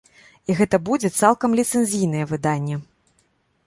І гэта будзе цалкам ліцэнзійнае выданне!